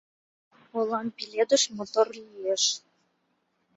Полан пеледыш мотор лиеш